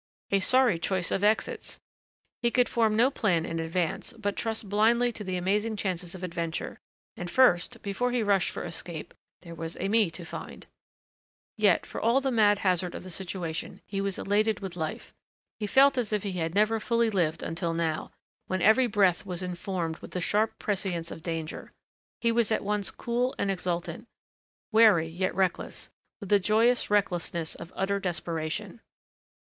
A sorry choice of exits! He could form no plan in advance but trust blindly to the amazing chances of adventure. And first, before he rushed for escape, there was Aimée to find. Yet for all the mad hazard of the situation he was elated with life. He felt as if he had never fully lived until now, when every breath was informed with the sharp prescience of danger. He was at once cool and exultant, wary yet reckless, with the joyous recklessness of utter desperation.